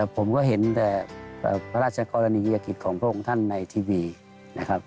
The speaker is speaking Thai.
ผมก็เห็นแต่พระราชกรณียกิจของพระองค์ท่านในทีวีนะครับ